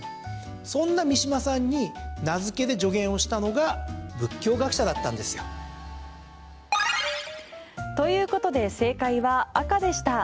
そんな三島さんに名付けで助言をしたのが仏教学者だったんですよ。ということで正解は赤でした。